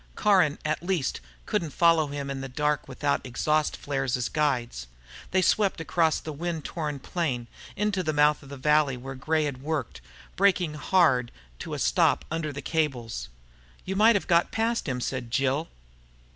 Caron, at least, couldn't follow him in the dark without exhaust flares as guides. They swept across the wind torn plain, into the mouth of the valley where Gray had worked, braking hard to a stop under the cables. "You might have got past them," said Jill.